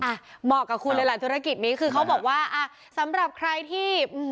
เหมาะกับคุณเลยหลายธุรกิจนี้คือเขาบอกว่าอ่ะสำหรับใครที่